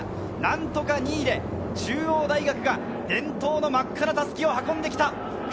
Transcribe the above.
何とか２位で中央大学が伝統の真っ赤な襷を運んできた。